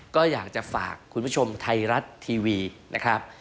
ก็อยากจะฝากคุณผู้ชมไทยรัฐทีวีนะครับ